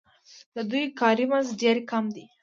د دوی کاري مزد ډېر کم دی